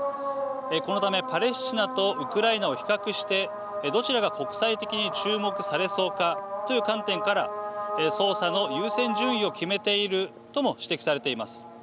このため、パレスチナとウクライナを比較してどちらが、国際的に注目されそうかという観点から捜査の優先順位を決めているとも指摘されています。